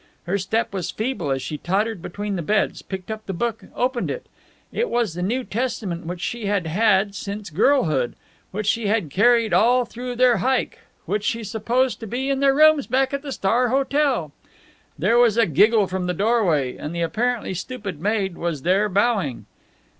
Her step was feeble as she tottered between the beds, picked up the book, opened it. It was the New Testament which she had had since girlhood, which she had carried all through their hike, which she supposed to be in their rooms back at the Star Hotel. There was a giggle from the doorway, and the apparently stupid maid was there, bowing.